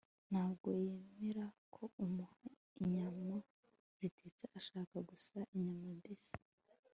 nta bwo yemera ko umuha inyama zitetse, ashaka gusa inyama mbisi